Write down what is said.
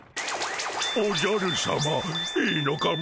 おじゃるさまいいのかモ？